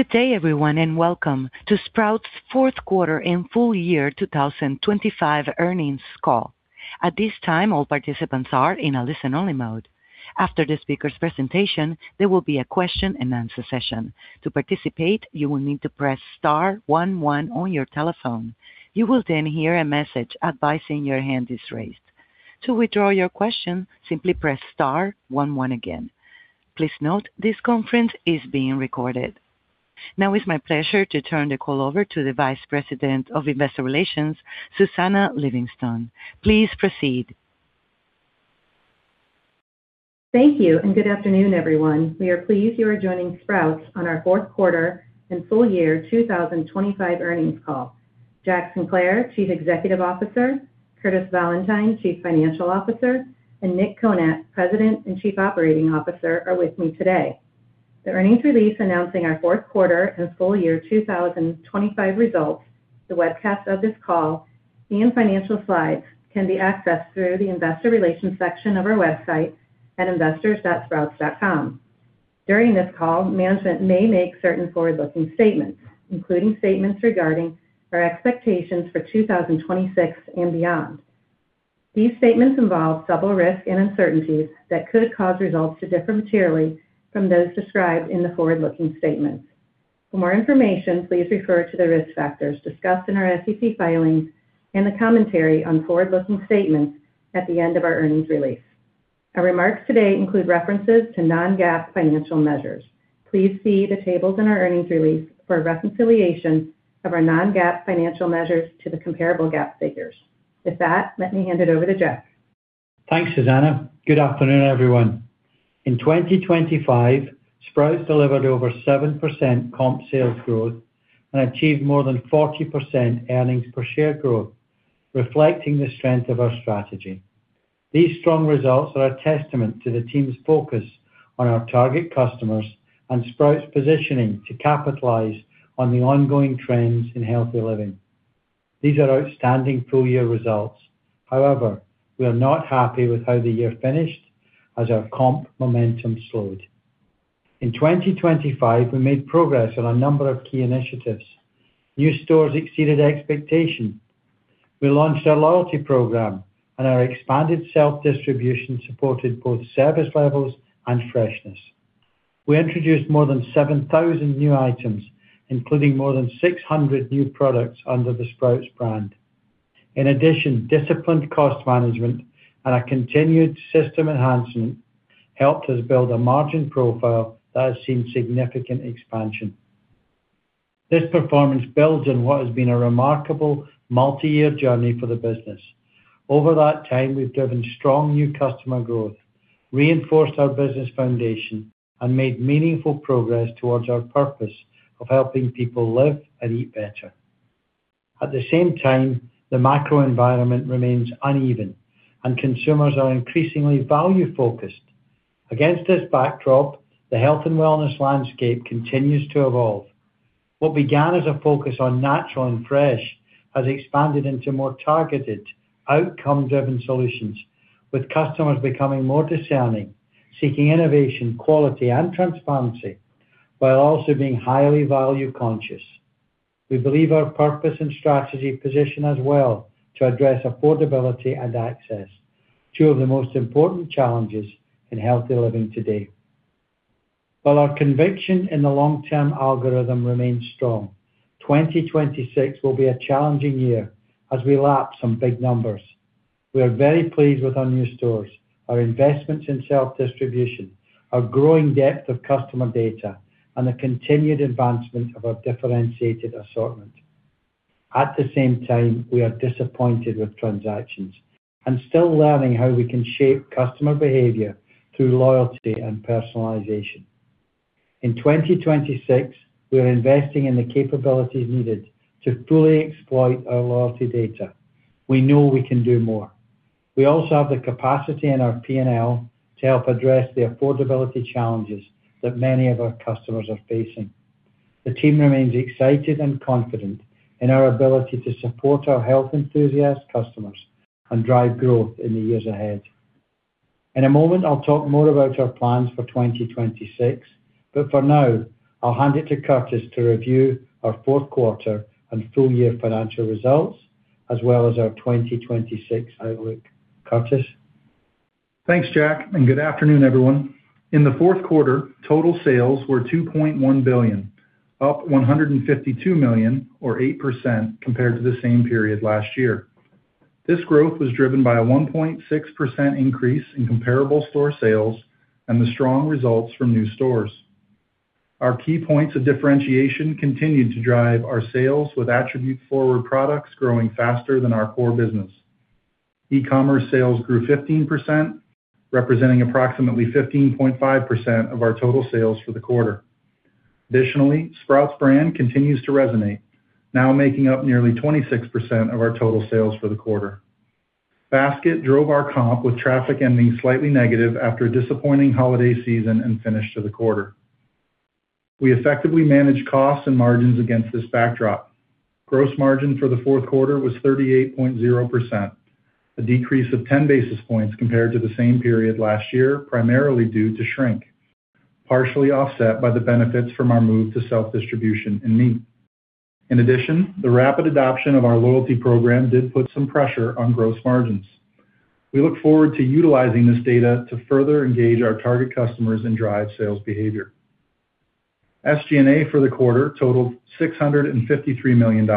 Good day, everyone, and welcome to Sprouts' Q4 and Full Year 2025 Earnings Call. At this time, all participants are in a listen-only mode. After the speaker's presentation, there will be a question-and-answer session. To participate, you will need to press star one one on your telephone. You will then hear a message advising your hand is raised. To withdraw your question, simply press star one one again. Please note, this conference is being recorded. Now it's my pleasure to turn the call over to the Vice President of Investor Relations, Susannah Livingston. Please proceed. Thank you, and good afternoon, everyone. We are pleased you are joining Sprouts on our Q4 and full year 2025 earnings call. Jack Sinclair, Chief Executive Officer, Curtis Valentine, Chief Financial Officer, and Nick Konat, President and Chief Operating Officer, are with me today. The earnings release announcing our Q4 and full year 2025 results, the webcast of this call, and financial slides can be accessed through the investor relations section of our website at investors.sprouts.com. During this call, management may make certain forward-looking statements, including statements regarding our expectations for 2026 and beyond. These statements involve several risks and uncertainties that could cause results to differ materially from those described in the forward-looking statements. For more information, please refer to the risk factors discussed in our SEC filings and the commentary on forward-looking statements at the end of our earnings release. Our remarks today include references to non-GAAP financial measures. Please see the tables in our earnings release for a reconciliation of our non-GAAP financial measures to the comparable GAAP figures. With that, let me hand it over to Jack. Thanks, Susannah. Good afternoon, everyone. In 2025, Sprouts delivered over 7% comp sales growth and achieved more than 40% earnings per share growth, reflecting the strength of our strategy. These strong results are a testament to the team's focus on our target customers and Sprouts' positioning to capitalize on the ongoing trends in healthier living. These are outstanding full-year results. However, we are not happy with how the year finished as our comp momentum slowed. In 2025, we made progress on a number of key initiatives. New stores exceeded expectations. We launched our loyalty program, and our expanded self-distribution supported both service levels and freshness. We introduced more than 7,000 new items, including more than 600 new products under the Sprouts Brand. In addition, disciplined cost management and a continued system enhancement helped us build a margin profile that has seen significant expansion. This performance builds on what has been a remarkable multi-year journey for the business. Over that time, we've driven strong new customer growth, reinforced our business foundation, and made meaningful progress towards our purpose of helping people live and eat better. At the same time, the macro environment remains uneven, and consumers are increasingly value-focused. Against this backdrop, the health and wellness landscape continues to evolve. What began as a focus on natural and fresh has expanded into more targeted, outcome-driven solutions, with customers becoming more discerning, seeking innovation, quality, and transparency while also being highly value-conscious. We believe our purpose and strategy position us well to address affordability and access, two of the most important challenges in healthy living today. While our conviction in the long-term algorithm remains strong, 2026 will be a challenging year as we lap some big numbers. We are very pleased with our new stores, our investments in self-distribution, our growing depth of customer data, and the continued advancement of our differentiated assortment. At the same time, we are disappointed with transactions and still learning how we can shape customer behavior through loyalty and personalization. In 2026, we are investing in the capabilities needed to fully exploit our loyalty data. We know we can do more. We also have the capacity in our P&L to help address the affordability challenges that many of our customers are facing. The team remains excited and confident in our ability to support our health enthusiast customers and drive growth in the years ahead. In a moment, I'll talk more about our plans for 2026, but for now, I'll hand it to Curtis to review our Q4 and full year financial results, as well as our 2026 outlook. Curtis? Thanks, Jack, and good afternoon, everyone. In the Q4, total sales were $2.1 billion, up $152 million or 8% compared to the same period last year. This growth was driven by a 1.6% increase in comparable store sales and the strong results from new stores. Our key points of differentiation continued to drive our sales, with attribute forward products growing faster than our core business. E-commerce sales grew 15%, representing approximately 15.5% of our total sales for the quarter. Additionally, Sprouts Brand continues to resonate, now making up nearly 26% of our total sales for the quarter. Basket drove our comp, with traffic ending slightly negative after a disappointing holiday season and finish to the quarter. We effectively managed costs and margins against this backdrop. Gross margin for the Q4 was 38.0%, a decrease of 10 basis points compared to the same period last year, primarily due to shrink, partially offset by the benefits from our move to self-distribution in meat. In addition, the rapid adoption of our loyalty program did put some pressure on gross margins. We look forward to utilizing this data to further engage our target customers and drive sales behavior. SG&A for the quarter totaled $653 million,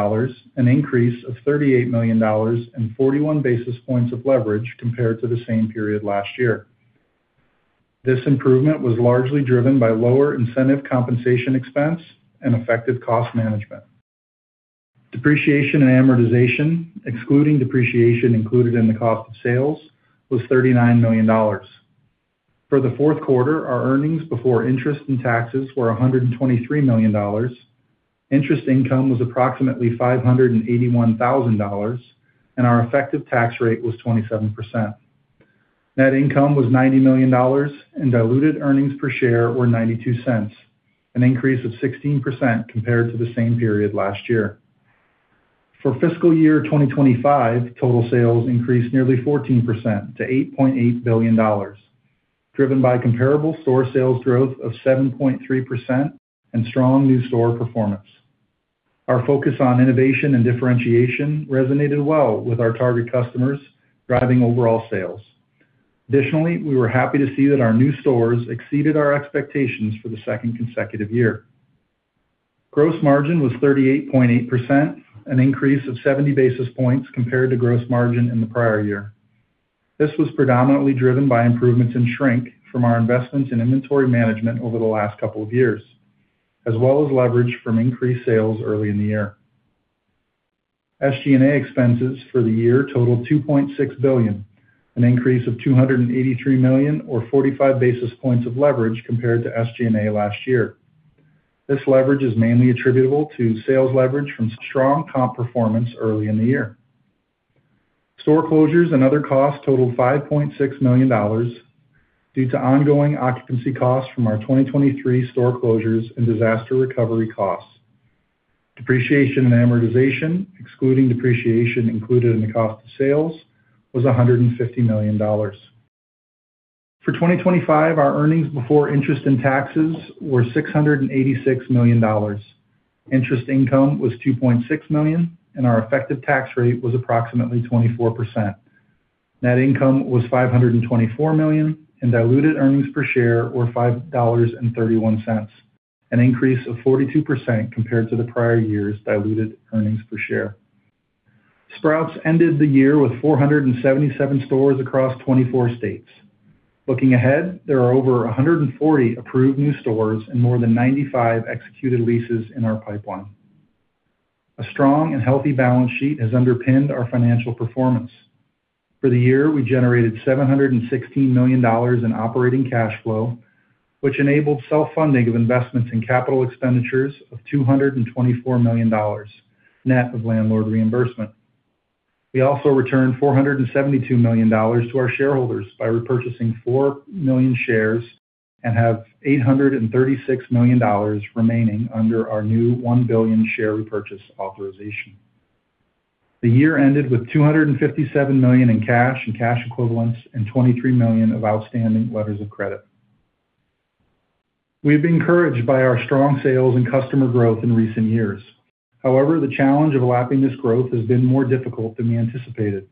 an increase of $38 million and 41 basis points of leverage compared to the same period last year. This improvement was largely driven by lower incentive compensation expense and effective cost management. Depreciation and amortization, excluding depreciation included in the cost of sales, was $39 million. For the Q4, our earnings before interest and taxes were $123 million, interest income was approximately $581,000, and our effective tax rate was 27%. Net income was $90 million, and diluted earnings per share were $0.92, an increase of 16% compared to the same period last year. For fiscal year 2025, total sales increased nearly 14% to $8.8 billion, driven by comparable store sales growth of 7.3% and strong new store performance. Our focus on innovation and differentiation resonated well with our target customers, driving overall sales. Additionally, we were happy to see that our new stores exceeded our expectations for the second consecutive year. Gross margin was 38.8%, an increase of 70 basis points compared to gross margin in the prior year. This was predominantly driven by improvements in shrink from our investments in inventory management over the last couple of years, as well as leverage from increased sales early in the year. SG&A expenses for the year totaled $2.6 billion, an increase of $283 million or 45 basis points of leverage compared to SG&A last year. This leverage is mainly attributable to sales leverage from strong comp performance early in the year. Store closures and other costs totaled $5.6 million due to ongoing occupancy costs from our 2023 store closures and disaster recovery costs. Depreciation and amortization, excluding depreciation included in the cost of sales, was $150 million. For 2025, our earnings before interest and taxes were $686 million. Interest income was $2.6 million, and our effective tax rate was approximately 24%. Net income was $524 million, and diluted earnings per share were $5.31, an increase of 42% compared to the prior year's diluted earnings per share. Sprouts ended the year with 477 stores across 24 states. Looking ahead, there are over 140 approved new stores and more than 95 executed leases in our pipeline. A strong and healthy balance sheet has underpinned our financial performance. For the year, we generated $716 million in operating cash flow, which enabled self-funding of investments in capital expenditures of $224 million, net of landlord reimbursement. We also returned $472 million to our shareholders by repurchasing 4 million shares and have $836 million remaining under our new 1 billion share repurchase authorization. The year ended with $257 million in cash and cash equivalents and $23 million of outstanding letters of credit. We've been encouraged by our strong sales and customer growth in recent years. However, the challenge of lapping this growth has been more difficult than we anticipated,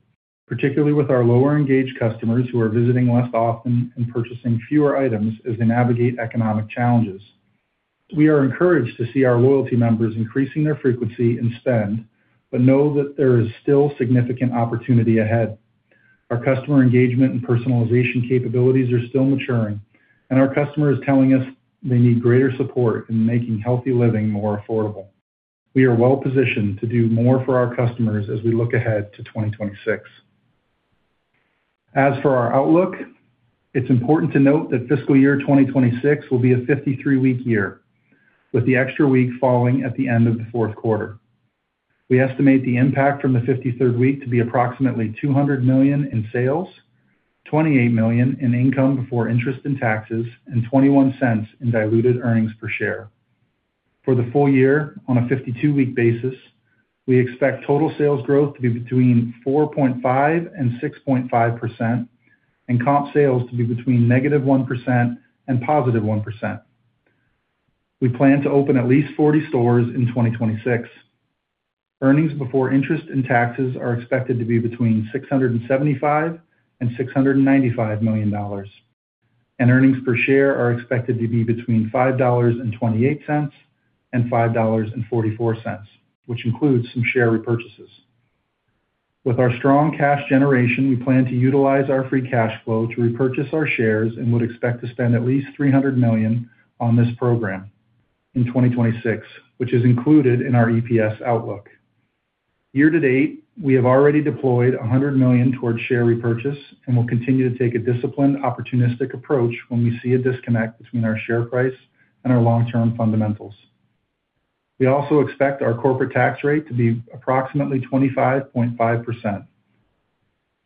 particularly with our lower-engaged customers, who are visiting less often and purchasing fewer items as they navigate economic challenges. We are encouraged to see our loyalty members increasing their frequency and spend, but know that there is still significant opportunity ahead. Our customer engagement and personalization capabilities are still maturing, and our customer is telling us they need greater support in making healthy living more affordable. We are well positioned to do more for our customers as we look ahead to 2026. As for our outlook, it's important to note that fiscal year 2026 will be a 53-week year, with the extra week falling at the end of the Q4. We estimate the impact from the 53rd week to be approximately $200 million in sales, $28 million in income before interest and taxes, and $0.21 in diluted earnings per share. For the full year, on a 52-week basis, we expect total sales growth to be between 4.5%-6.5%, and comp sales to be between -1% and +1%. We plan to open at least 40 stores in 2026. Earnings before interest and taxes are expected to be between $675 million and $695 million, and earnings per share are expected to be between $5.28 and $5.44, which includes some share repurchases. With our strong cash generation, we plan to utilize our free cash flow to repurchase our shares and would expect to spend at least $300 million on this program in 2026, which is included in our EPS outlook. Year to date, we have already deployed $100 million towards share repurchase and will continue to take a disciplined, opportunistic approach when we see a disconnect between our share price and our long-term fundamentals. We also expect our corporate tax rate to be approximately 25.5%.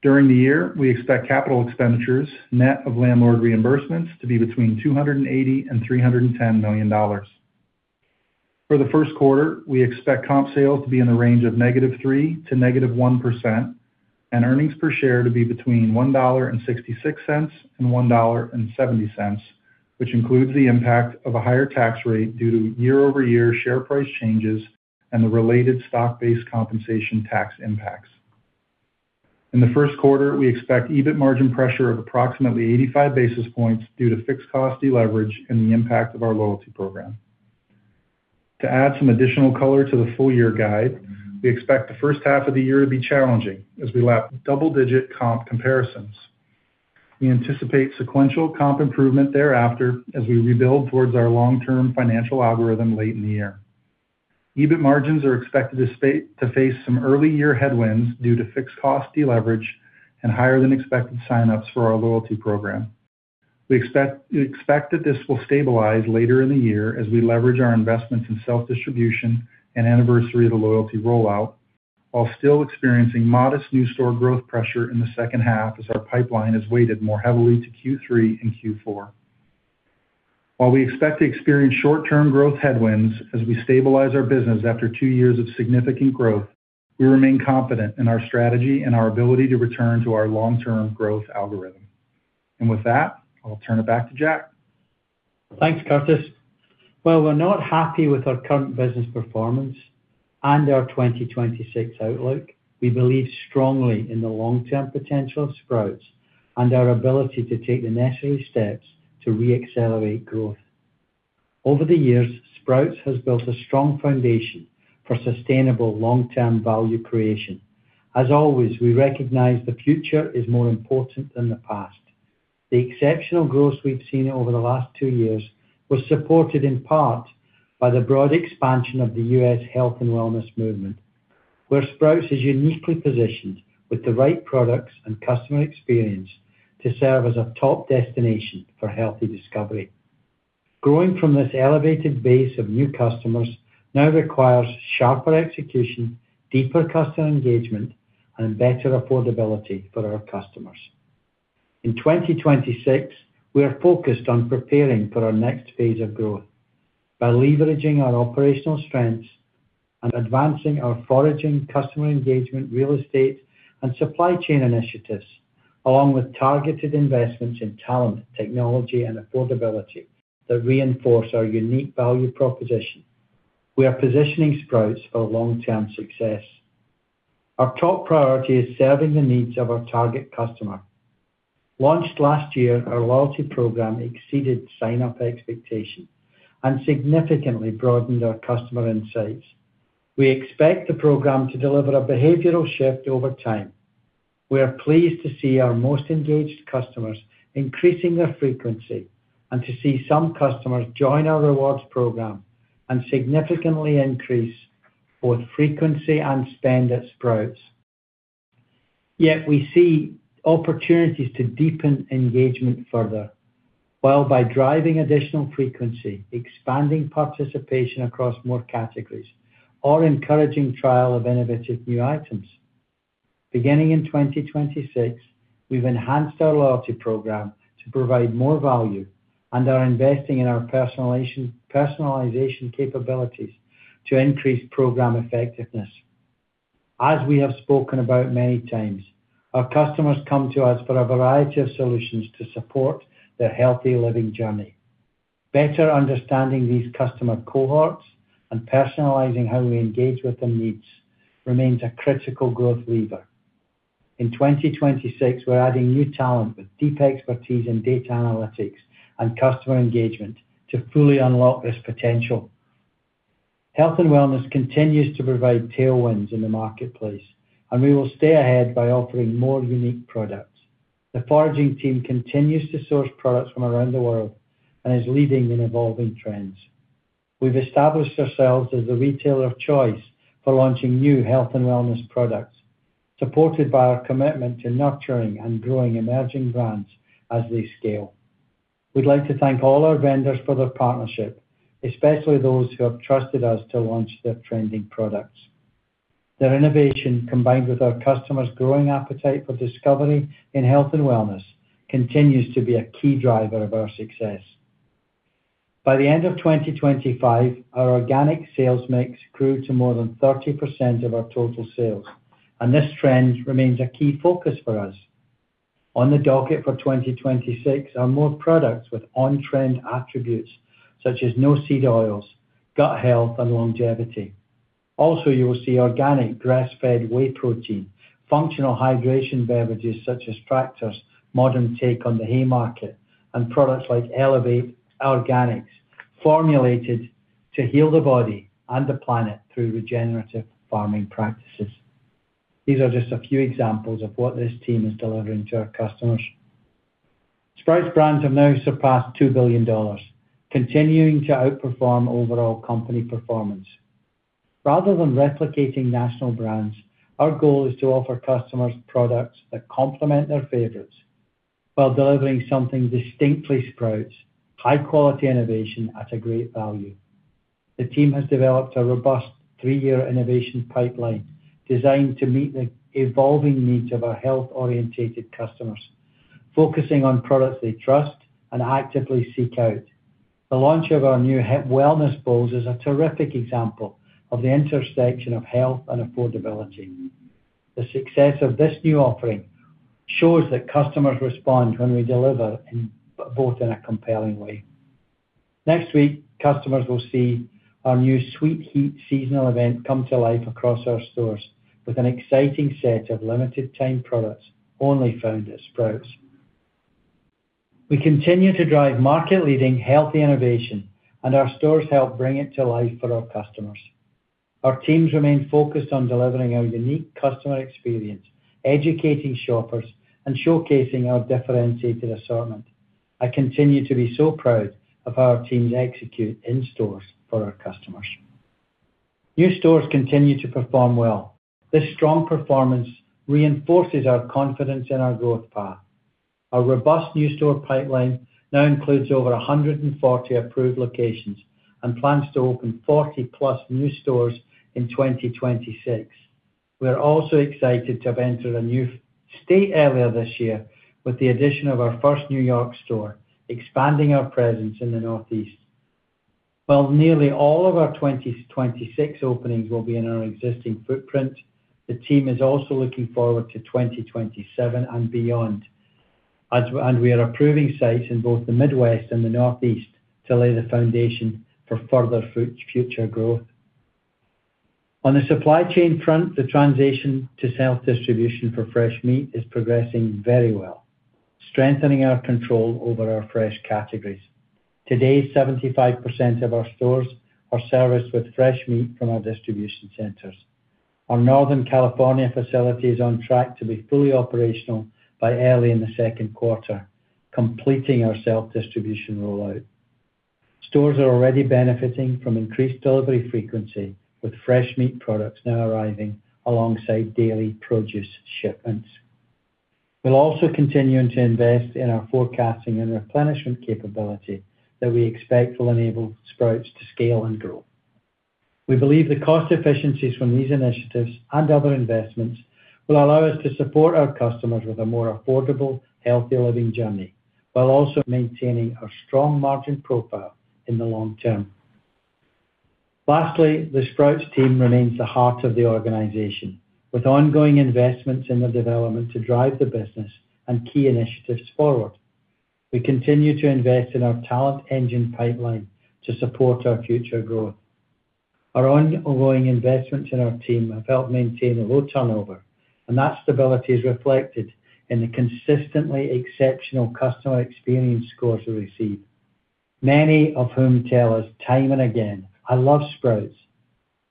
During the year, we expect capital expenditures, net of landlord reimbursements, to be between $280 million and $310 million. For the Q1, we expect comp sales to be in the range of -3% to -1%, and earnings per share to be between $1.66 and $1.70, which includes the impact of a higher tax rate due to year-over-year share price changes and the related stock-based compensation tax impacts. In the Q1, we expect EBIT margin pressure of approximately 85 basis points due to fixed cost deleverage and the impact of our loyalty program. To add some additional color to the full year guide, we expect the first half of the year to be challenging as we lap double-digit comp comparisons. We anticipate sequential comp improvement thereafter as we rebuild towards our long-term financial algorithm late in the year. EBIT margins are expected to stay to face some early year headwinds due to fixed cost deleverage and higher than expected sign-ups for our loyalty program. We expect, we expect that this will stabilize later in the year as we leverage our investments in self-distribution and anniversary of the loyalty rollout, while still experiencing modest new store growth pressure in the second half, as our pipeline is weighted more heavily to Q3 and Q4. While we expect to experience short-term growth headwinds as we stabilize our business after two years of significant growth, we remain confident in our strategy and our ability to return to our long-term growth algorithm. With that, I'll turn it back to Jack. Thanks, Curtis. While we're not happy with our current business performance and our 2026 outlook, we believe strongly in the long-term potential of Sprouts and our ability to take the necessary steps to reaccelerate growth. Over the years, Sprouts has built a strong foundation for sustainable, long-term value creation. As always, we recognize the future is more important than the past. The exceptional growth we've seen over the last 2 years was supported in part by the broad expansion of the U.S. health and wellness movement, where Sprouts is uniquely positioned with the right products and customer experience to serve as a top destination for healthy discovery. Growing from this elevated base of new customers now requires sharper execution, deeper customer engagement, and better affordability for our customers. In 2026, we are focused on preparing for our next phase of growth by leveraging our operational strengths and advancing our foraging, customer engagement, real estate, and supply chain initiatives, along with targeted investments in talent, technology, and affordability that reinforce our unique value proposition. We are positioning Sprouts for long-term success. Our top priority is serving the needs of our target customer. Launched last year, our loyalty program exceeded sign-up expectations and significantly broadened our customer insights. We expect the program to deliver a behavioral shift over time. We are pleased to see our most engaged customers increasing their frequency, and to see some customers join our rewards program and significantly increase both frequency and spend at Sprouts. Yet we see opportunities to deepen engagement further, while by driving additional frequency, expanding participation across more categories, or encouraging trial of innovative new items. Beginning in 2026, we've enhanced our loyalty program to provide more value and are investing in our personalization, personalization capabilities to increase program effectiveness. As we have spoken about many times, our customers come to us for a variety of solutions to support their healthy living journey. Better understanding these customer cohorts and personalizing how we engage with their needs remains a critical growth lever. In 2026, we're adding new talent with deep expertise in data analytics and customer engagement to fully unlock this potential. Health and wellness continues to provide tailwinds in the marketplace, and we will stay ahead by offering more unique products. The foraging team continues to source products from around the world and is leading in evolving trends. We've established ourselves as the retailer of choice for launching new health and wellness products, supported by our commitment to nurturing and growing emerging brands as they scale. We'd like to thank all our vendors for their partnership, especially those who have trusted us to launch their trending products. Their innovation, combined with our customers' growing appetite for discovery in health and wellness, continues to be a key driver of our success. By the end of 2025, our organic sales mix grew to more than 30% of our total sales, and this trend remains a key focus for us. On the docket for 2026 are more products with on-trend attributes such as no seed oils, gut health, and longevity. Also, you will see organic grass-fed whey protein, functional hydration beverages such as Tractor's modern take on the Haymaker, and products like Elevate Organics, formulated to heal the body and the planet through regenerative farming practices. These are just a few examples of what this team is delivering to our customers. Sprouts brands have now surpassed $2 billion, continuing to outperform overall company performance. Rather than replicating national brands, our goal is to offer customers products that complement their favorites while delivering something distinctly Sprouts, high-quality innovation at a great value. The team has developed a robust three-year innovation pipeline designed to meet the evolving needs of our health-oriented customers focusing on products they trust and actively seek out. The launch of our new health wellness bowls is a terrific example of the intersection of health and affordability. The success of this new offering shows that customers respond when we deliver in, both in a compelling way. Next week, customers will see our new Sweet Heat seasonal event come to life across our stores, with an exciting set of limited-time products only found at Sprouts. We continue to drive market-leading healthy innovation, and our stores help bring it to life for our customers. Our teams remain focused on delivering our unique customer experience, educating shoppers, and showcasing our differentiated assortment. I continue to be so proud of how our teams execute in stores for our customers. New stores continue to perform well. This strong performance reinforces our confidence in our growth path. Our robust new store pipeline now includes over 140 approved locations and plans to open 40+ new stores in 2026. We're also excited to have entered a new state earlier this year with the addition of our first New York store, expanding our presence in the Northeast. While nearly all of our 2026 openings will be in our existing footprint, the team is also looking forward to 2027 and beyond, as we are approving sites in both the Midwest and the Northeast to lay the foundation for further future growth. On the supply chain front, the transition to self-distribution for fresh meat is progressing very well, strengthening our control over our fresh categories. Today, 75% of our stores are serviced with fresh meat from our distribution centers. Our Northern California facility is on track to be fully operational by early in the Q2, completing our self-distribution rollout. Stores are already benefiting from increased delivery frequency, with fresh meat products now arriving alongside daily produce shipments. We're also continuing to invest in our forecasting and replenishment capability that we expect will enable Sprouts to scale and grow. We believe the cost efficiencies from these initiatives and other investments will allow us to support our customers with a more affordable, healthy living journey, while also maintaining our strong margin profile in the long term. Lastly, the Sprouts team remains the heart of the organization, with ongoing investments in their development to drive the business and key initiatives forward. We continue to invest in our talent engine pipeline to support our future growth. Our ongoing investments in our team have helped maintain a low turnover, and that stability is reflected in the consistently exceptional customer experience scores we receive, many of whom tell us time and again, "I love Sprouts."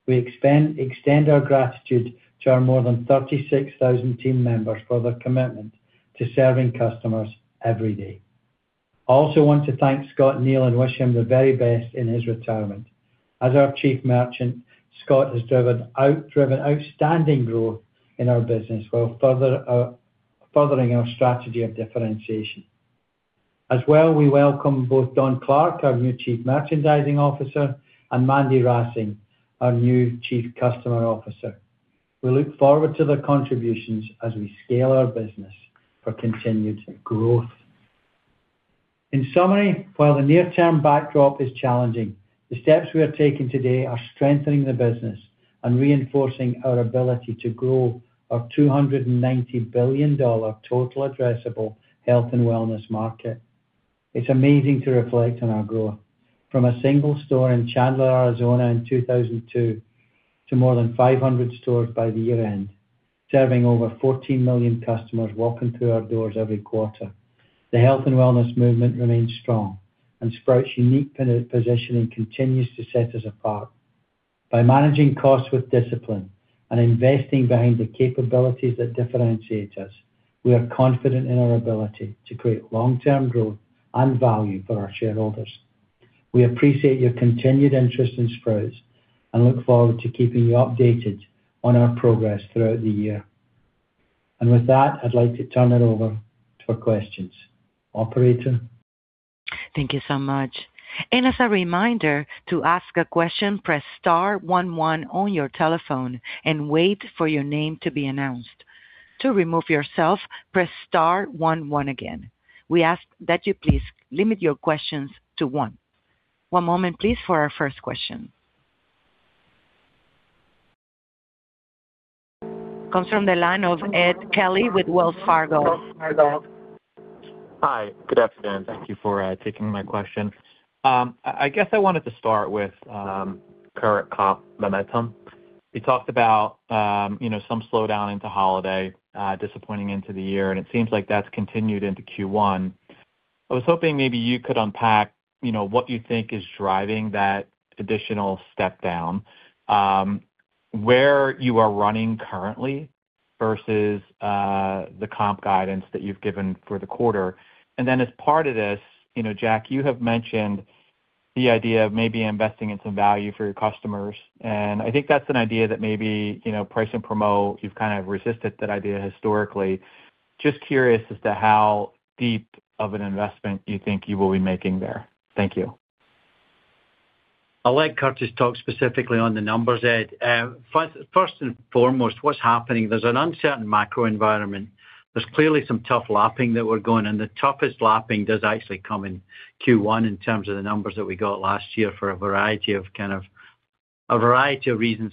We extend our gratitude to our more than 36,000 team members for their commitment to serving customers every day. I also want to thank Scott Neal and wish him the very best in his retirement. As our Chief Merchant, Scott has driven outstanding growth in our business while furthering our strategy of differentiation. As well, we welcome both Don Clark, our new Chief Merchandising Officer, and Mandy Rassi, our new Chief Customer Officer. We look forward to their contributions as we scale our business for continued growth. In summary, while the near-term backdrop is challenging, the steps we are taking today are strengthening the business and reinforcing our ability to grow our $290 billion total addressable health and wellness market. It's amazing to reflect on our growth. From a single store in Chandler, Arizona, in 2002 to more than 500 stores by the year-end, serving over 14 million customers walking through our doors every quarter. The health and wellness movement remains strong, and Sprouts' unique positioning continues to set us apart. By managing costs with discipline and investing behind the capabilities that differentiate us, we are confident in our ability to create long-term growth and value for our shareholders. We appreciate your continued interest in Sprouts and look forward to keeping you updated on our progress throughout the year. With that, I'd like to turn it over to our questions. Operator? Thank you so much. And as a reminder, to ask a question, press star one one on your telephone and wait for your name to be announced. To remove yourself, press star one one again. We ask that you please limit your questions to one. One moment, please, for our first question. Comes from the line of Ed Kelly with Wells Fargo. Hi. Good afternoon. Thank you for taking my question. I guess I wanted to start with current comp momentum. You talked about, you know, some slowdown into holiday, disappointing into the year, and it seems like that's continued into Q1. I was hoping maybe you could unpack, you know, what you think is driving that additional step down, where you are running currently versus the comp guidance that you've given for the quarter. And then as part of this, you know, Jack, you have mentioned the idea of maybe investing in some value for your customers, and I think that's an idea that maybe, you know, price and promote, you've kind of resisted that idea historically. Just curious as to how deep of an investment you think you will be making there. Thank you.... I'll let Curtis talk specifically on the numbers, Ed. First and foremost, what's happening, there's an uncertain macro environment. There's clearly some tough lapping that we're going, and the toughest lapping does actually come in Q1 in terms of the numbers that we got last year for a variety of reasons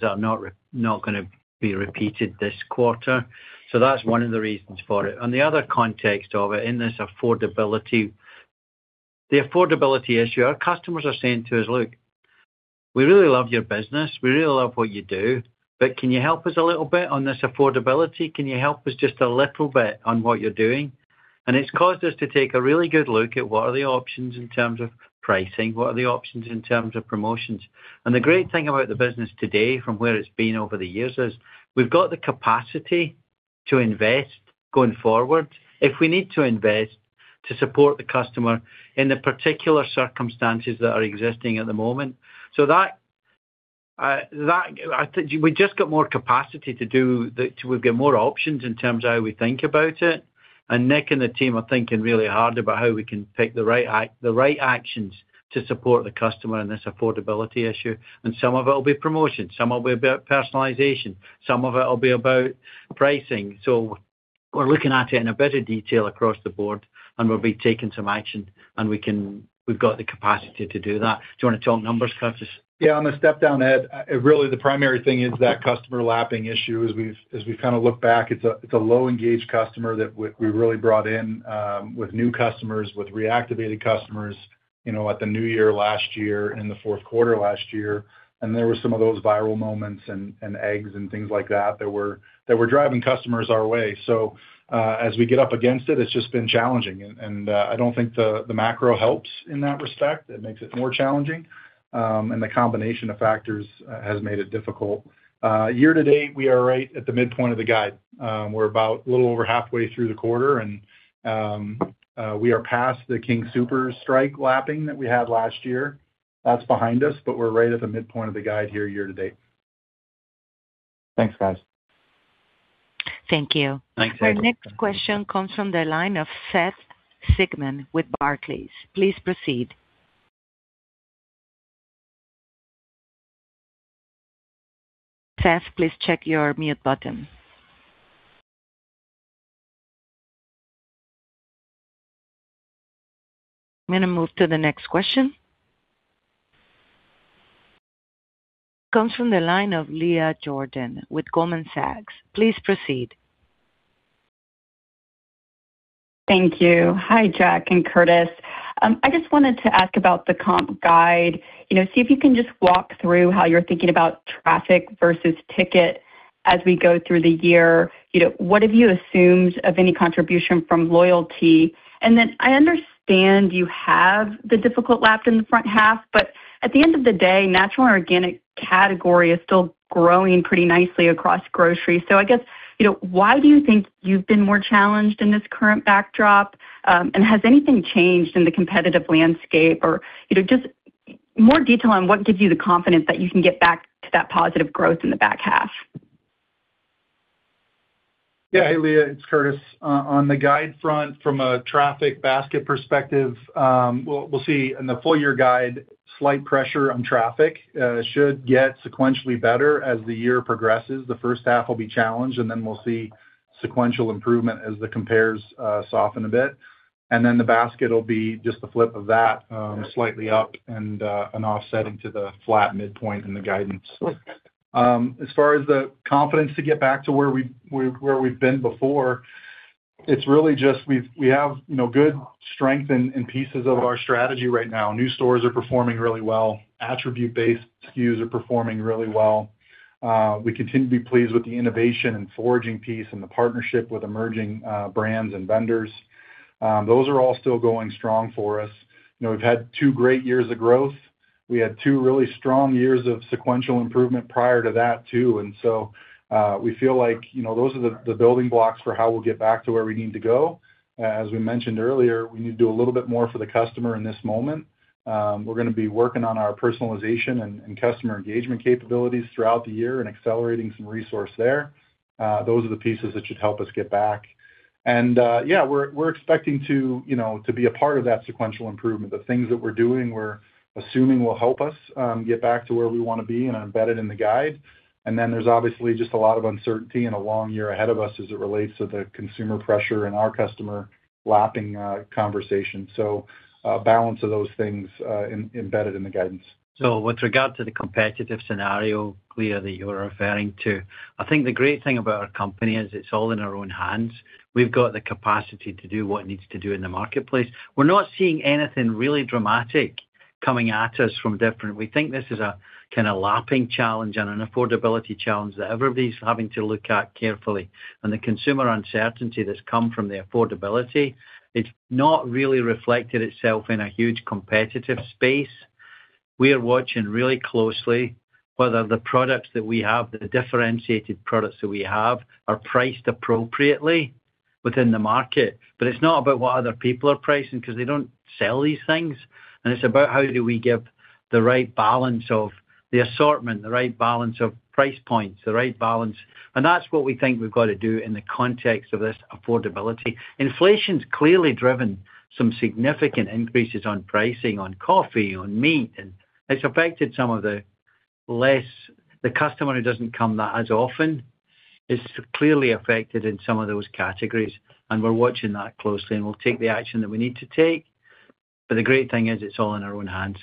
that are not gonna be repeated this quarter. So that's one of the reasons for it. On the other context of it, in this affordability, the affordability issue, our customers are saying to us: "Look, we really love your business. We really love what you do, but can you help us a little bit on this affordability? Can you help us just a little bit on what you're doing?" And it's caused us to take a really good look at what are the options in terms of pricing, what are the options in terms of promotions. And the great thing about the business today, from where it's been over the years, is we've got the capacity to invest going forward, if we need to invest to support the customer in the particular circumstances that are existing at the moment. So that, I think we just got more capacity. We've got more options in terms of how we think about it. And Nick and the team are thinking really hard about how we can pick the right actions to support the customer in this affordability issue. And some of it will be promotion, some will be about personalization, some of it'll be about pricing. So we're looking at it in a better detail across the board, and we'll be taking some action, and we can, we've got the capacity to do that. Do you wanna talk numbers, Curtis? Yeah, on the step down, Ed, really the primary thing is that customer lapping issue. As we, as we've kinda looked back, it's a low-engaged customer that we, we really brought in, with new customers, with reactivated customers, you know, at the new year last year, in the Q4 last year. And there were some of those viral moments and eggs and things like that, that were driving customers our way. So, as we get up against it, it's just been challenging. And I don't think the macro helps in that respect. It makes it more challenging, and the combination of factors has made it difficult. Year to date, we are right at the midpoint of the guide. We're about a little over halfway through the quarter, and we are past the King Soopers strike lapping that we had last year. That's behind us, but we're right at the midpoint of the guide here year to date. Thanks, guys. Thank you. Thanks, Ed. Our next question comes from the line of Seth Sigman with Barclays. Please proceed. Seth, please check your mute button. I'm gonna move to the next question. Comes from the line of Leah Jordan with Goldman Sachs. Please proceed. Thank you. Hi, Jack and Curtis. I just wanted to ask about the comp guide. You know, see if you can just walk through how you're thinking about traffic versus ticket as we go through the year. You know, what have you assumed of any contribution from loyalty? And then I understand you have the difficult lap in the front half, but at the end of the day, natural and organic category is still growing pretty nicely across grocery. So I guess, you know, why do you think you've been more challenged in this current backdrop? And has anything changed in the competitive landscape? Or, you know, just more detail on what gives you the confidence that you can get back to that positive growth in the back half. Yeah. Hey, Leah, it's Curtis. On the guide front, from a traffic basket perspective, we'll see in the full year guide, slight pressure on traffic, should get sequentially better as the year progresses. The first half will be challenged, and then we'll see sequential improvement as the compares soften a bit. And then the basket will be just the flip of that, slightly up and an offsetting to the flat midpoint in the guidance. As far as the confidence to get back to where we've been before, it's really just we have, you know, good strength in pieces of our strategy right now. New stores are performing really well. Attribute-based SKUs are performing really well. We continue to be pleased with the innovation and sourcing piece and the partnership with emerging brands and vendors. Those are all still going strong for us. You know, we've had two great years of growth. We had two really strong years of sequential improvement prior to that, too. And so, we feel like, you know, those are the, the building blocks for how we'll get back to where we need to go. As we mentioned earlier, we need to do a little bit more for the customer in this moment. We're gonna be working on our personalization and, and customer engagement capabilities throughout the year and accelerating some resource there. Those are the pieces that should help us get back. And, yeah, we're, we're expecting to, you know, to be a part of that sequential improvement. The things that we're doing, we're assuming will help us, get back to where we wanna be and are embedded in the guide. And then there's obviously just a lot of uncertainty and a long year ahead of us as it relates to the consumer pressure and our customer lapping conversation. So, balance of those things, embedded in the guidance. So with regard to the competitive scenario, Leah, that you're referring to, I think the great thing about our company is it's all in our own hands. We've got the capacity to do what it needs to do in the marketplace. We're not seeing anything really dramatic coming at us from different... We think this is a kinda lapping challenge and an affordability challenge that everybody's having to look at carefully. And the consumer uncertainty that's come from the affordability, it's not really reflected itself in a huge competitive space. We are watching really closely whether the products that we have, the differentiated products that we have, are priced appropriately within the market. But it's not about what other people are pricing, 'cause they don't sell these things. And it's about how do we give the right balance of-... The assortment, the right balance of price points, the right balance, and that's what we think we've got to do in the context of this affordability. Inflation's clearly driven some significant increases on pricing, on coffee, on meat, and it's affected some of the less, the customer who doesn't come that as often, is clearly affected in some of those categories, and we're watching that closely, and we'll take the action that we need to take. But the great thing is, it's all in our own hands.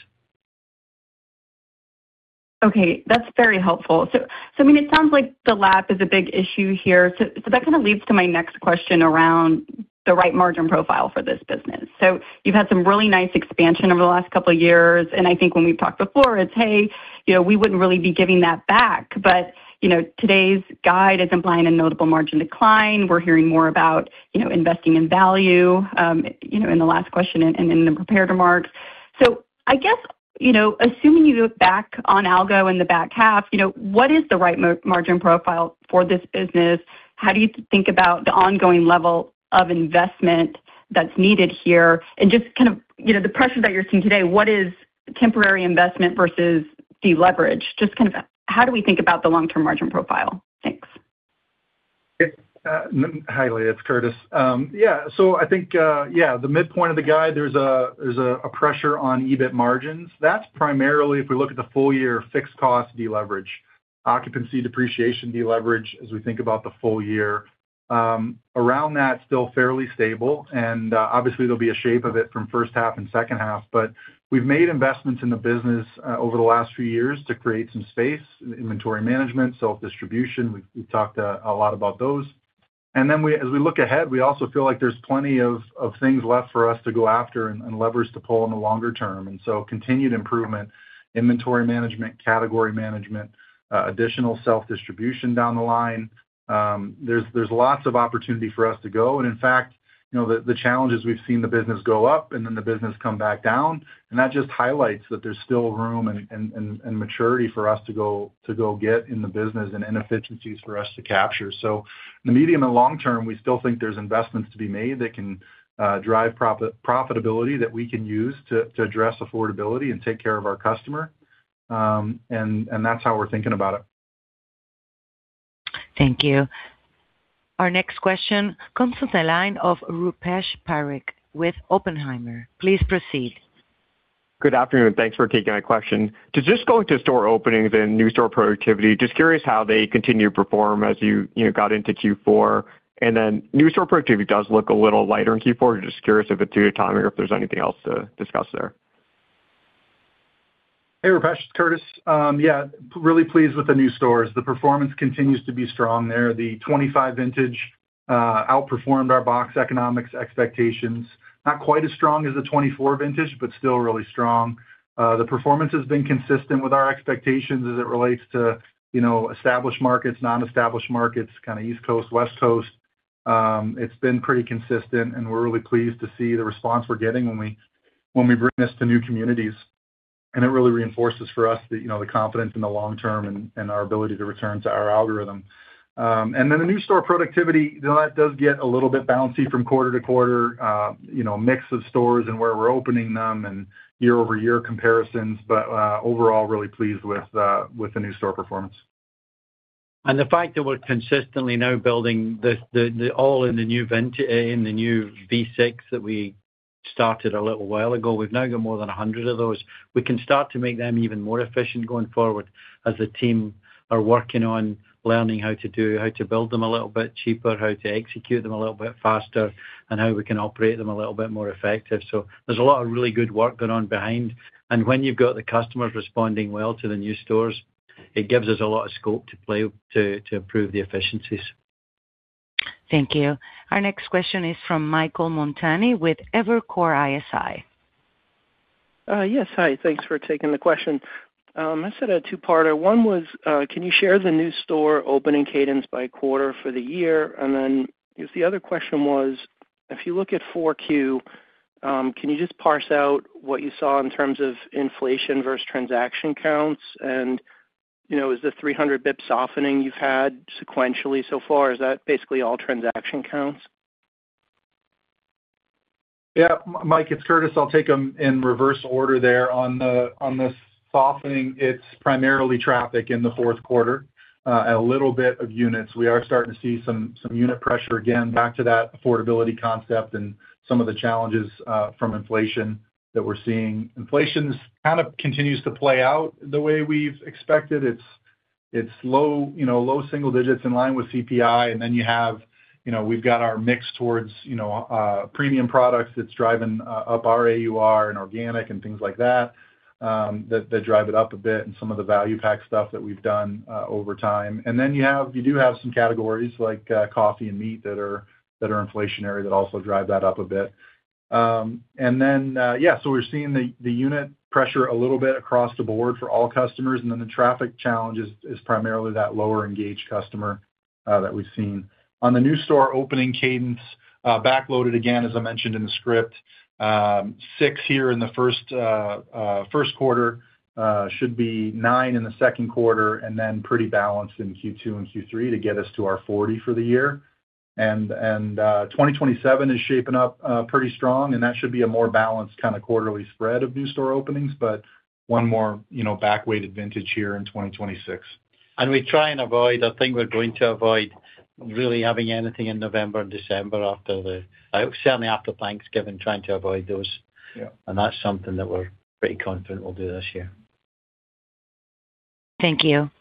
Okay, that's very helpful. So, I mean, it sounds like the labor is a big issue here. So that kind of leads to my next question around the right margin profile for this business. So you've had some really nice expansion over the last couple of years, and I think when we've talked before, it's, hey, you know, we wouldn't really be giving that back. But, you know, today's guide is implying a notable margin decline. We're hearing more about, you know, investing in value, you know, in the last question and in the prepared remarks. So I guess, you know, assuming you look back on labor in the back half, you know, what is the right margin profile for this business? How do you think about the ongoing level of investment that's needed here? Just kind of, you know, the pressure that you're seeing today, what is temporary investment versus deleverage? Just kind of how do we think about the long-term margin profile? Thanks. Hi, Leah, it's Curtis. So I think the midpoint of the guide, there's a pressure on EBIT margins. That's primarily, if we look at the full year, fixed cost deleverage, occupancy, depreciation, deleverage, as we think about the full year. Around that, still fairly stable, and obviously, there'll be a shape of it from first half and second half. But we've made investments in the business over the last few years to create some space, inventory management, self-distribution. We've talked a lot about those. And then as we look ahead, we also feel like there's plenty of things left for us to go after and levers to pull in the longer term. And so continued improvement, inventory management, category management, additional self-distribution down the line. There's lots of opportunity for us to go. And in fact, you know, the challenges we've seen the business go up and then the business come back down, and that just highlights that there's still room and maturity for us to go, to go get in the business and inefficiencies for us to capture. So in the medium and long term, we still think there's investments to be made that can drive profitability that we can use to address affordability and take care of our customer. And that's how we're thinking about it. Thank you. Our next question comes from the line of Rupesh Parikh with Oppenheimer. Please proceed. Good afternoon, thanks for taking my question. Just going to store openings and new store productivity, just curious how they continue to perform as you, you know, got into Q4. New store productivity does look a little lighter in Q4. Just curious if it's due to timing or if there's anything else to discuss there. Hey, Rupesh, Curtis. Yeah, really pleased with the new stores. The performance continues to be strong there. The 25 vintage outperformed our box economics expectations. Not quite as strong as the 24 vintage, but still really strong. The performance has been consistent with our expectations as it relates to, you know, established markets, non-established markets, kind of East Coast, West Coast. It's been pretty consistent, and we're really pleased to see the response we're getting when we, when we bring this to new communities. And it really reinforces for us the, you know, the confidence in the long term and, and our ability to return to our algorithm. And then the new store productivity, that does get a little bit bouncy from quarter to quarter, you know, mix of stores and where we're opening them and year-over-year comparisons. But, overall, really pleased with the new store performance. The fact that we're consistently now building them all in the new V6 that we started a little while ago, we've now got more than 100 of those. We can start to make them even more efficient going forward as the team are working on learning how to build them a little bit cheaper, how to execute them a little bit faster, and how we can operate them a little bit more effective. So there's a lot of really good work going on behind. And when you've got the customers responding well to the new stores, it gives us a lot of scope to play to improve the efficiencies. Thank you. Our next question is from Michael Montani with Evercore ISI. Yes, hi, thanks for taking the question. I said a two-parter. One was, can you share the new store opening cadence by quarter for the year? And then the other question was, if you look at Q4, can you just parse out what you saw in terms of inflation versus transaction counts? And, you know, is the 300 basis points softening you've had sequentially so far, is that basically all transaction counts? Yeah, Mike, it's Curtis. I'll take them in reverse order there. On the, on the softening, it's primarily traffic in the Q4, a little bit of units. We are starting to see some, some unit pressure, again, back to that affordability concept and some of the challenges, from inflation that we're seeing. Inflation kind of continues to play out the way we've expected. It's, it's low, you know, low single digits in line with CPI. And then you have, you know, we've got our mix towards, you know, premium products that's driving up our AUR and organic and things like that, that, that drive it up a bit, and some of the value pack stuff that we've done, over time. Then you do have some categories like coffee and meat that are inflationary that also drive that up a bit. And then so we're seeing the unit pressure a little bit across the board for all customers, and then the traffic challenge is primarily that lower engaged customer that we've seen. On the new store opening cadence, backloaded again, as I mentioned in the script. 6 here in the Q1 should be 9 in the Q2, and then pretty balanced in Q2 and Q3 to get us to our 40 for the year. And 2027 is shaping up pretty strong, and that should be a more balanced kind of quarterly spread of new store openings, but one more you know backweighted vintage year in 2026. We try and avoid, I think we're going to avoid really having anything in November and December after the, certainly after Thanksgiving, trying to avoid those. Yeah. That's something that we're pretty confident we'll do this year. Thank you.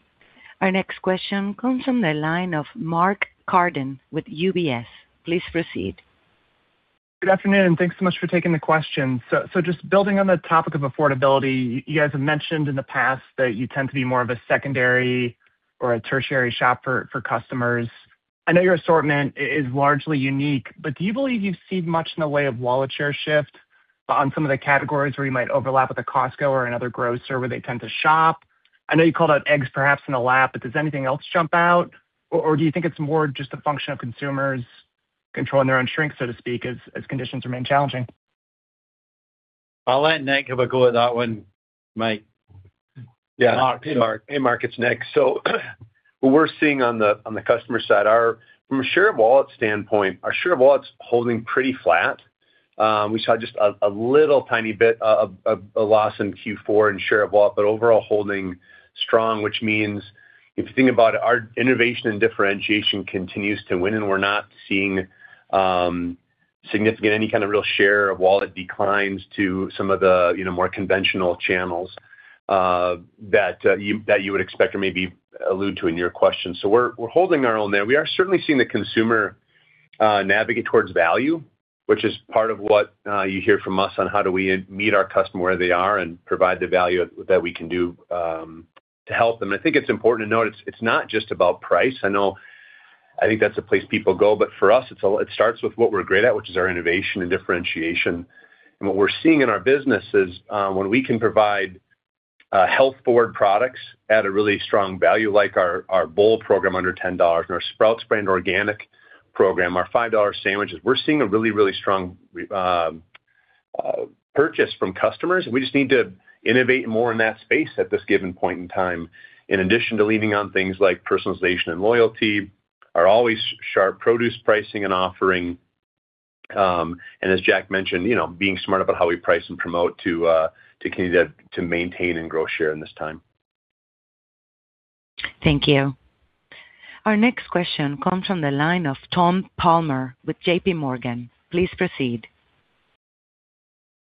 Our next question comes from the line of Mark Carden with UBS. Please proceed. Good afternoon, and thanks so much for taking the question. So, so just building on the topic of affordability, you guys have mentioned in the past that you tend to be more of a secondary or a tertiary shopper for customers. I know your assortment is largely unique, but do you believe you've seen much in the way of wallet share shift on some of the categories where you might overlap with a Costco or another grocer where they tend to shop? I know you called out eggs, perhaps, in a lab, but does anything else jump out, or, or do you think it's more just a function of consumers controlling their own shrink, so to speak, as, as conditions remain challenging? I'll let Nick have a go at that one, Mike. Yeah. Mark. Hey, Mark, it's Nick. So what we're seeing on the customer side are, from a share of wallet standpoint, our share of wallet's holding pretty flat. We saw just a little tiny bit of a loss in Q4 in share of wallet, but overall holding strong, which means if you think about it, our innovation and differentiation continues to win, and we're not seeing significant any kind of real share of wallet declines to some of the, you know, more conventional channels that you would expect or maybe allude to in your question. So we're holding our own there. We are certainly seeing the consumer navigate towards value, which is part of what you hear from us on how do we meet our customer where they are and provide the value that we can do to help them. I think it's important to note, it's not just about price. I know. I think that's a place people go, but for us, it starts with what we're great at, which is our innovation and differentiation. And what we're seeing in our business is, when we can provide health forward products at a really strong value, like our Bowl program under $10, and our Sprouts Brand organic program, our $5 sandwiches, we're seeing a really, really strong purchase from customers. We just need to innovate more in that space at this given point in time. In addition to leaning on things like personalization and loyalty, our always sharp produce pricing and offering, and as Jack mentioned, you know, being smart about how we price and promote to continue to maintain and grow share in this time. Thank you. Our next question comes from the line of Tom Palmer with JPMorgan. Please proceed.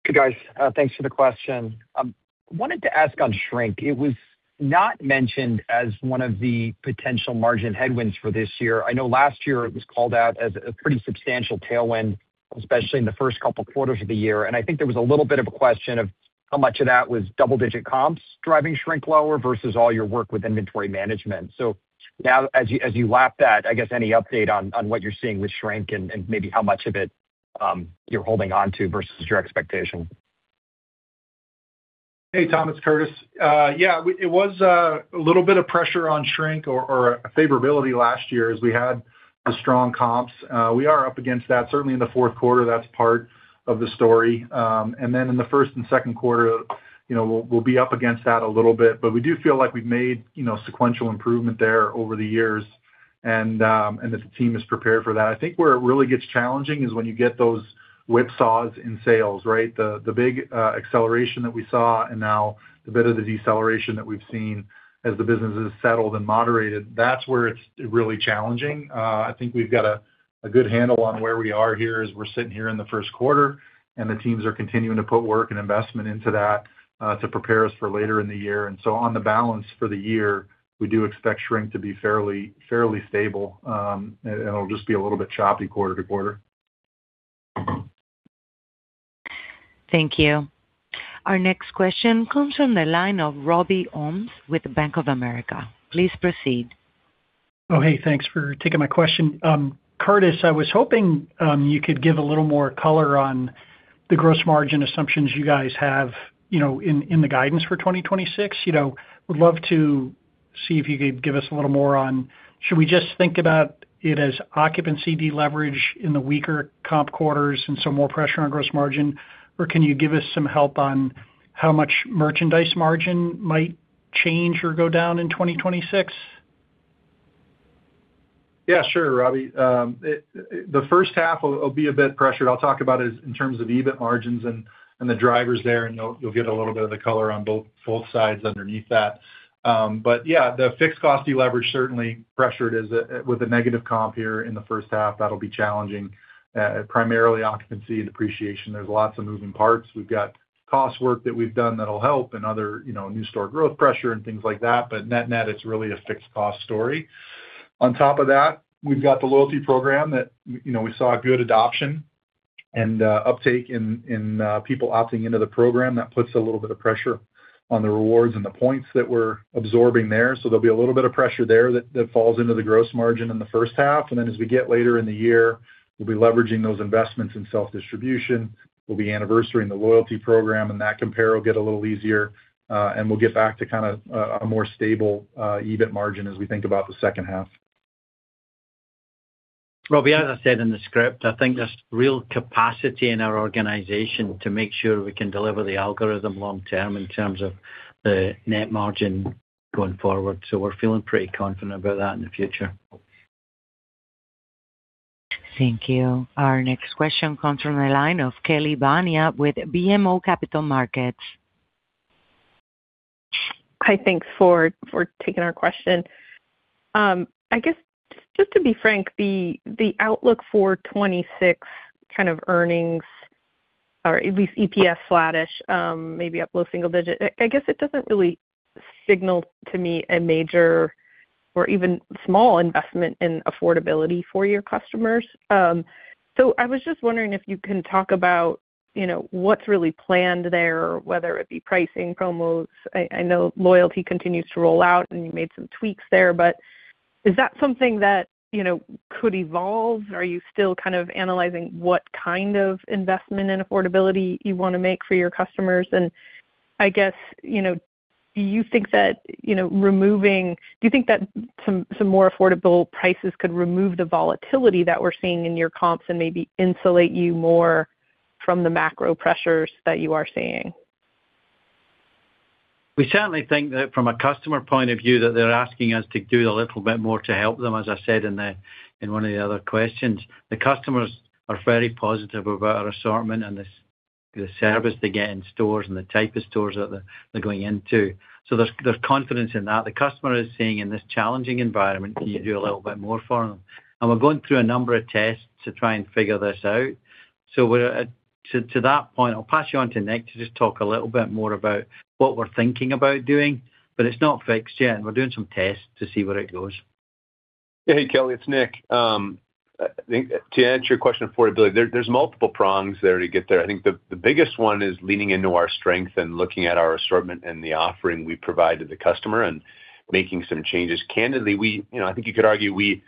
Good, guys. Thanks for the question. Wanted to ask on shrink. It was not mentioned as one of the potential margin headwinds for this year. I know last year it was called out as a pretty substantial tailwind, especially in the first couple quarters of the year. And I think there was a little bit of a question of how much of that was double-digit comps driving shrink lower versus all your work with inventory management. So now as you lap that, I guess any update on what you're seeing with shrink and maybe how much of it you're holding on to versus your expectation? Hey, Tom, it's Curtis. Yeah, we-- it was a little bit of pressure on shrink or a favorability last year as we had the strong comps. We are up against that. Certainly in the Q4, that's part of the story. And then in the first and Q2, you know, we'll be up against that a little bit. But we do feel like we've made, you know, sequential improvement there over the years, and the team is prepared for that. I think where it really gets challenging is when you get those whipsaws in sales, right? The big acceleration that we saw and now the bit of the deceleration that we've seen as the business has settled and moderated, that's where it's really challenging. I think we've got a good handle on where we are here as we're sitting here in the Q1, and the teams are continuing to put work and investment into that, to prepare us for later in the year. And so on the balance for the year, we do expect shrink to be fairly, fairly stable, and it'll just be a little bit choppy quarter to quarter. Thank you. Our next question comes from the line of Robbie Ohmes with Bank of America. Please proceed. Oh, hey, thanks for taking my question. Curtis, I was hoping you could give a little more color on the gross margin assumptions you guys have, you know, in the guidance for 2026. You know, would love to see if you could give us a little more on should we just think about it as occupancy deleverage in the weaker comp quarters and so more pressure on gross margin, or can you give us some help on how much merchandise margin might change or go down in 2026? Yeah, sure, Robbie. It, the first half will be a bit pressured. I'll talk about it in terms of EBIT margins and the drivers there, and you'll get a little bit of the color on both sides underneath that. But yeah, the fixed cost deleverage certainly pressured us with a negative comp here in the first half. That'll be challenging, primarily occupancy and depreciation. There's lots of moving parts. We've got cost work that we've done that'll help and other, you know, new store growth pressure and things like that, but net-net, it's really a fixed cost story. On top of that, we've got the loyalty program that, you know, we saw a good adoption and uptake in people opting into the program. That puts a little bit of pressure on the rewards and the points that we're absorbing there. So there'll be a little bit of pressure there that falls into the gross margin in the first half. And then as we get later in the year, we'll be leveraging those investments in self-distribution. We'll be anniversarying the loyalty program, and that compare will get a little easier, and we'll get back to kind of a more stable EBIT margin as we think about the second half. Robbie, as I said in the script, I think there's real capacity in our organization to make sure we can deliver the algorithm long term in terms of the net margin- Going forward. So we're feeling pretty confident about that in the future. Thank you. Our next question comes from the line of Kelly Bania with BMO Capital Markets. Hi, thanks for taking our question. I guess, just to be frank, the outlook for 2026 kind of earnings, or at least EPS flattish, maybe up low single digit. I guess it doesn't really signal to me a major or even small investment in affordability for your customers. So I was just wondering if you can talk about, you know, what's really planned there, whether it be pricing, promos. I know loyalty continues to roll out, and you made some tweaks there, but is that something that, you know, could evolve? Are you still kind of analyzing what kind of investment in affordability you wanna make for your customers? I guess, you know, do you think that some more affordable prices could remove the volatility that we're seeing in your comps and maybe insulate you more from the macro pressures that you are seeing? We certainly think that from a customer point of view, that they're asking us to do a little bit more to help them, as I said in one of the other questions. The customers are very positive about our assortment and the service they get in stores and the type of stores that they're going into. So there's confidence in that. The customer is saying in this challenging environment, can you do a little bit more for them? We're going through a number of tests to try and figure this out. So to that point, I'll pass you on to Nick to just talk a little bit more about what we're thinking about doing, but it's not fixed yet, and we're doing some tests to see where it goes. Hey, Kelly, it's Nick. I think to answer your question on affordability, there's multiple prongs there to get there. I think the biggest one is leaning into our strength and looking at our assortment and the offering we provide to the customer and making some changes. Candidly, we, you know, I think you could argue we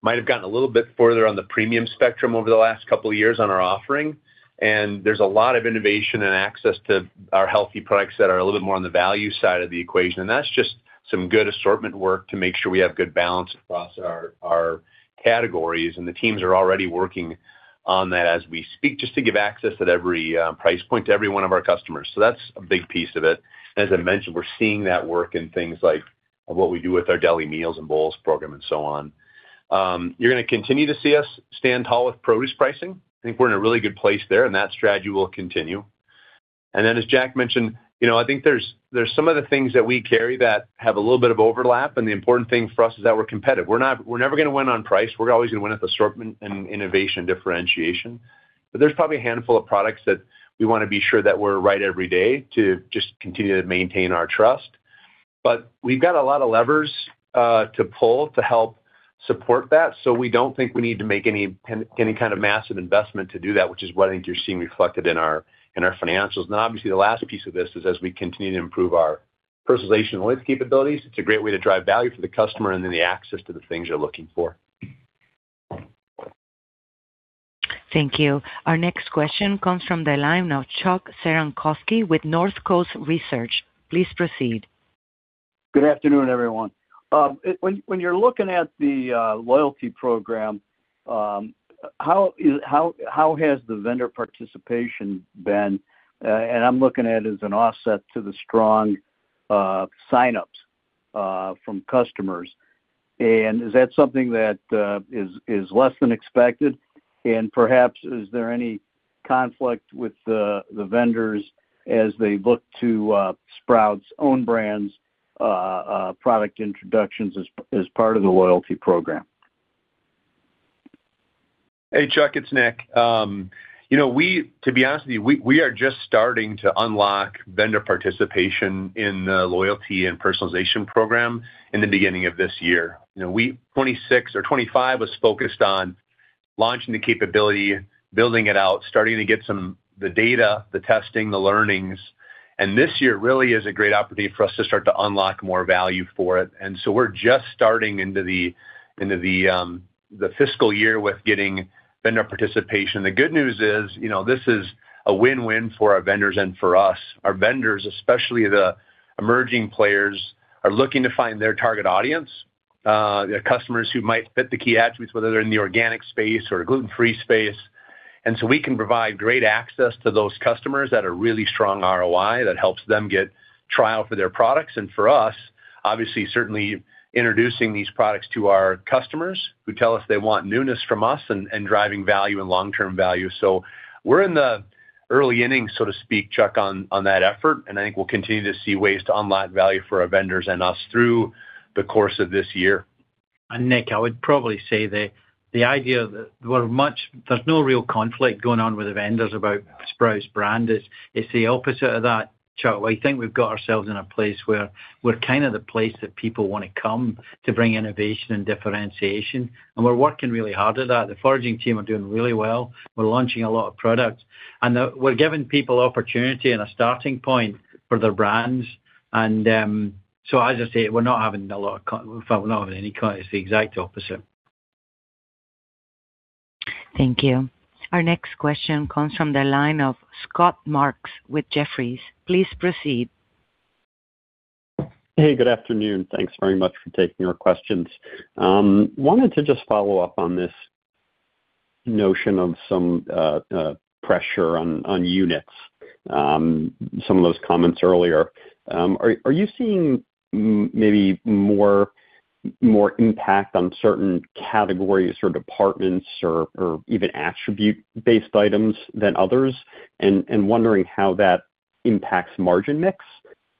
might have gotten a little bit further on the premium spectrum over the last couple of years on our offering, and there's a lot of innovation and access to our healthy products that are a little bit more on the value side of the equation. And that's just some good assortment work to make sure we have good balance across our categories. And the teams are already working on that as we speak, just to give access at every price point to every one of our customers. That's a big piece of it. As I mentioned, we're seeing that work in things like what we do with our deli meals and bowls program and so on. You're gonna continue to see us stand tall with produce pricing. I think we're in a really good place there, and that strategy will continue. Then, as Jack mentioned, you know, I think there's some of the things that we carry that have a little bit of overlap, and the important thing for us is that we're competitive. We're not. We're never gonna win on price. We're always gonna win at assortment and innovation differentiation. But there's probably a handful of products that we wanna be sure that we're right every day to just continue to maintain our trust. But we've got a lot of levers to pull to help support that, so we don't think we need to make any kind of massive investment to do that, which is what I think you're seeing reflected in our financials. And obviously, the last piece of this is as we continue to improve our personalization and loyalty capabilities, it's a great way to drive value for the customer and then the access to the things you're looking for. Thank you. Our next question comes from the line of Chuck Cerankosky with North Coast Research. Please proceed. Good afternoon, everyone. When you're looking at the loyalty program, how has the vendor participation been? And I'm looking at it as an offset to the strong sign-ups from customers. And is that something that is less than expected? And perhaps, is there any conflict with the vendors as they look to Sprouts' own brands product introductions as part of the loyalty program? Hey, Chuck, it's Nick. You know, we to be honest with you, we are just starting to unlock vendor participation in the loyalty and personalization program in the beginning of this year. You know, 26 or 25 was focused on launching the capability, building it out, starting to get some the data, the testing, the learnings, and this year really is a great opportunity for us to start to unlock more value for it. And so we're just starting into the fiscal year with getting vendor participation. The good news is, you know, this is a win-win for our vendors and for us. Our vendors, especially the emerging players, are looking to find their target audience, the customers who might fit the key attributes, whether they're in the organic space or gluten-free space. So we can provide great access to those customers at a really strong ROI that helps them get trial for their products and for us, obviously, certainly introducing these products to our customers who tell us they want newness from us and driving value and long-term value. We're in the early innings, so to speak, Chuck, on that effort, and I think we'll continue to see ways to unlock value for our vendors and us through the course of this year. And Nick, I would probably say the idea that we're, there's no real conflict going on with the vendors about Sprouts Brand. It's the opposite of that, Chuck. I think we've got ourselves in a place where we're kind of the place that people wanna come to bring innovation and differentiation, and we're working really hard at that. The foraging team are doing really well. We're launching a lot of products, and we're giving people opportunity and a starting point for their brands. And so as I say, we're not having a lot of con, we're not having any conflict. It's the exact opposite. Thank you. Our next question comes from the line of Scott Mushkin with Jefferies. Please proceed. Hey, good afternoon. Thanks very much for taking our questions. Wanted to just follow up on this notion of some pressure on units, some of those comments earlier. Are you seeing maybe more impact on certain categories or departments or even attribute-based items than others? And wondering how that impacts margin mix.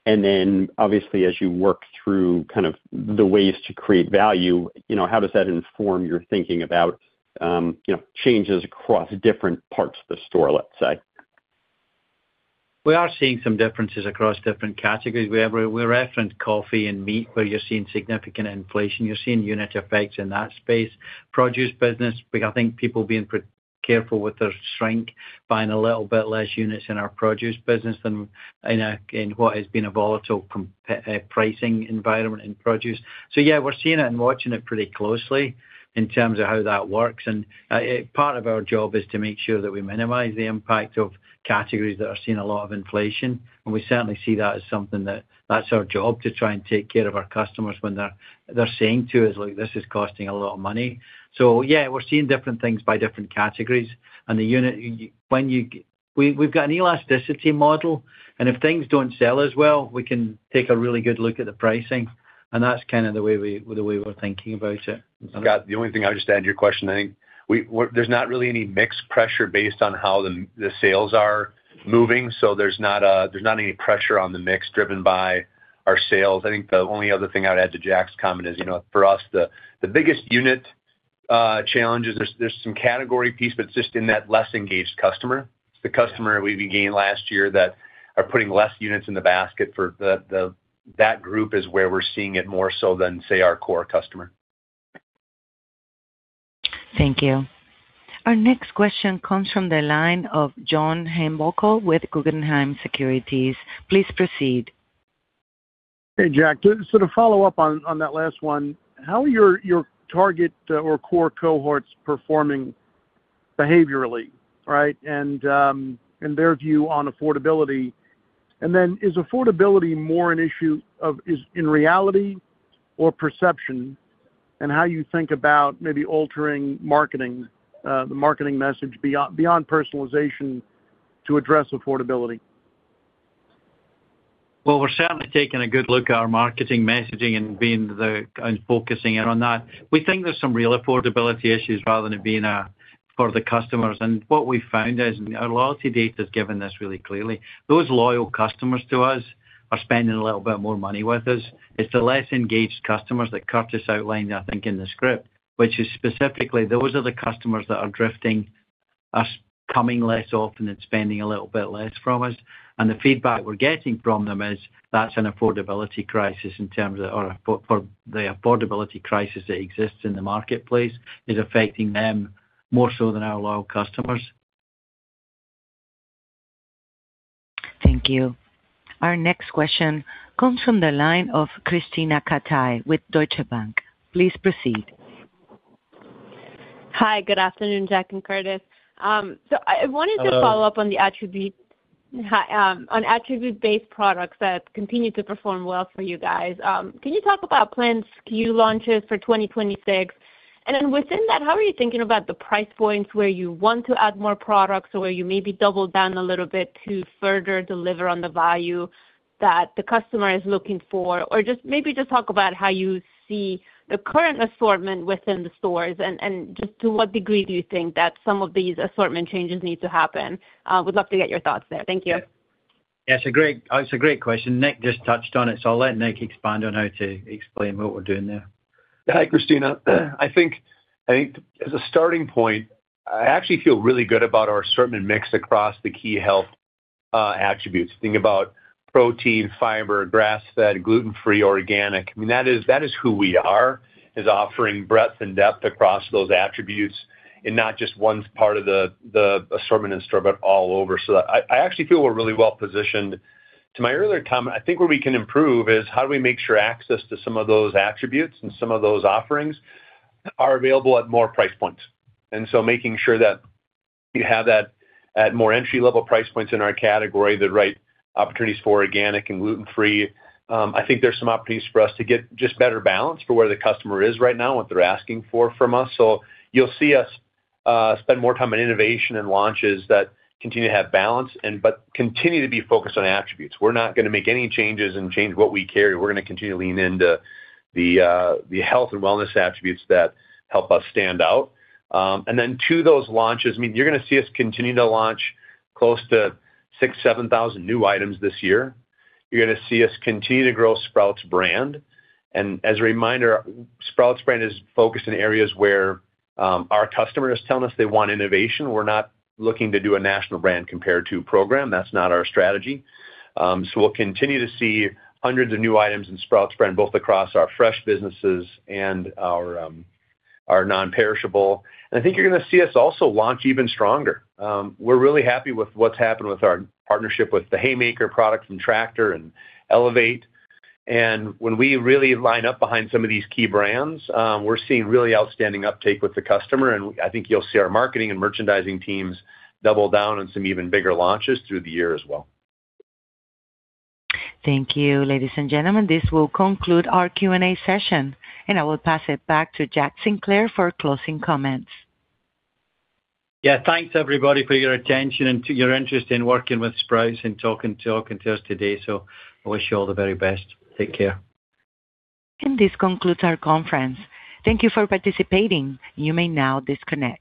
And then, obviously, as you work through kind of the ways to create value, you know, how does that inform your thinking about, you know, changes across different parts of the store, let's say? We are seeing some differences across different categories, where we're referencing coffee and meat, where you're seeing significant inflation. You're seeing unit effects in that space. Produce business, we I think people being careful with their shrink, buying a little bit less units in our produce business than in what has been a volatile pricing environment in produce. So, yeah, we're seeing it and watching it pretty closely in terms of how that works. And part of our job is to make sure that we minimize the impact of categories that are seeing a lot of inflation, and we certainly see that as something that, that's our job, to try and take care of our customers when they're, they're saying to us, "Look, this is costing a lot of money." So, yeah, we're seeing different things by different categories. We've got an elasticity model, and if things don't sell as well, we can take a really good look at the pricing, and that's kind of the way we're thinking about it. Scott, the only thing I'll just add to your question, I think, we're not really any mix pressure based on how the sales are moving, so there's not any pressure on the mix driven by our sales. I think the only other thing I'd add to Jack's comment is, you know, for us, the biggest unit challenge is there's some category piece, but it's just in that less engaged customer. It's the customer we've gained last year that are putting less units in the basket for the. That group is where we're seeing it more so than, say, our core customer. Thank you. Our next question comes from the line of John Heinbockel with Guggenheim Securities. Please proceed. Hey, Jack. Just so to follow up on that last one, how are your target or core cohorts performing behaviorally, right, and their view on affordability? And then, is affordability more an issue of is in reality or perception, and how you think about maybe altering marketing the marketing message beyond personalization to address affordability? Well, we're certainly taking a good look at our marketing messaging and focusing in on that. We think there's some real affordability issues for the customers. And what we've found is, our loyalty data has given us really clearly those loyal customers to us are spending a little bit more money with us. It's the less engaged customers that Curtis outlined, I think, in the script, which is specifically those are the customers that are drifting from us, coming less often and spending a little bit less from us. And the feedback we're getting from them is that the affordability crisis that exists in the marketplace is affecting them more so than our loyal customers. Thank you. Our next question comes from the line of Krisztina Katai with Deutsche Bank. Please proceed. Hi. Good afternoon, Jack and Curtis. So I wanted- Hello. To follow up on the attribute. Hi, on attribute-based products that continue to perform well for you guys. Can you talk about planned SKU launches for 2026? And then within that, how are you thinking about the price points, where you want to add more products or where you maybe double down a little bit to further deliver on the value that the customer is looking for? Or just maybe just talk about how you see the current assortment within the stores, and just to what degree do you think that some of these assortment changes need to happen? Would love to get your thoughts there. Thank you. Yeah, it's a great, it's a great question. Nick just touched on it, so I'll let Nick expand on how to explain what we're doing there. Hi, Krisztina. I think as a starting point, I actually feel really good about our assortment mix across the key health attributes. Think about protein, fiber, grass-fed, gluten-free, organic. I mean, that is who we are, is offering breadth and depth across those attributes in not just one part of the assortment in store, but all over. So I actually feel we're really well positioned. To my earlier comment, I think where we can improve is, how do we make sure access to some of those attributes and some of those offerings are available at more price points? And so making sure that we have that at more entry-level price points in our category, the right opportunities for organic and gluten-free. I think there's some opportunities for us to get just better balance for where the customer is right now and what they're asking for from us. So you'll see us, spend more time on innovation and launches that continue to have balance and, but continue to be focused on attributes. We're not gonna make any changes and change what we carry. We're gonna continue to lean into the, the health and wellness attributes that help us stand out. And then to those launches, I mean, you're gonna see us continue to launch close to 6,000-7,000 new items this year. You're gonna see us continue to grow Sprouts Brand. And as a reminder, Sprouts Brand is focused in areas where, our customer is telling us they want innovation. We're not looking to do a national brand comparator program. That's not our strategy. So we'll continue to see hundreds of new items in Sprouts Brand, both across our fresh businesses and our non-perishable. And I think you're gonna see us also launch even stronger. We're really happy with what's happened with our partnership with the Haymaker product from Tractor and Elevate. And when we really line up behind some of these key brands, we're seeing really outstanding uptake with the customer, and I think you'll see our marketing and merchandising teams double down on some even bigger launches through the year as well. Thank you, ladies and gentlemen. This will conclude our Q&A session, and I will pass it back to Jack Sinclair for closing comments. Yeah, thanks, everybody, for your attention and to your interest in working with Sprouts and talking, talking to us today. So I wish you all the very best. Take care. This concludes our conference. Thank you for participating. You may now disconnect.